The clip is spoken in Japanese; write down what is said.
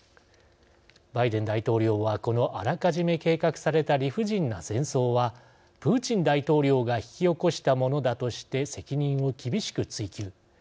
バイデン大統領はこの、あらかじめ計画された理不尽な戦争はプーチン大統領が引き起こしたものだとして責任を厳しく追及。